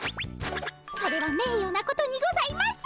それはめいよなことにございます！